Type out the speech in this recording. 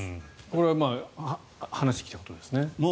これは話してきたことですね。